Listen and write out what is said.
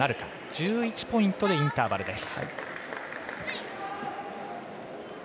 １１ポイントでインターバルです。